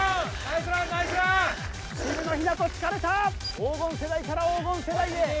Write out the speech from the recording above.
黄金世代から黄金世代へ。